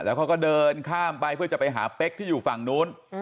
เขาก็เดินข้ามไปเพื่อจะไปหาเป๊กที่อยู่ฝั่งนู้น